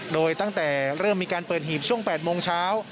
โดยตั้งแต่เริ่มมีการเปิดหีบช่วง๘โมงเช้า